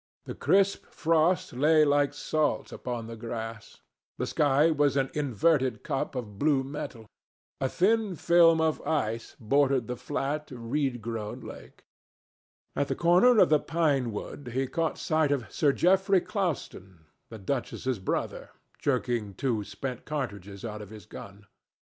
The crisp frost lay like salt upon the grass. The sky was an inverted cup of blue metal. A thin film of ice bordered the flat, reed grown lake. At the corner of the pine wood he caught sight of Sir Geoffrey Clouston, the duchess's brother, jerking two spent cartridges out of his gun.